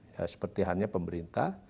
ya seperti hanya pemerintah